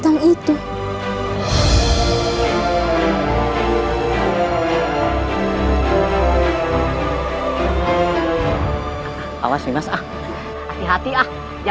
dan aku lebih meyakinkan